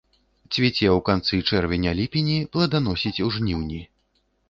Цвіце ў канцы чэрвеня-ліпені, пладаносіць у жніўні.